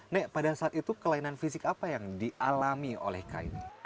nek pada saat itu kelainan fisik apa yang dialami oleh kaine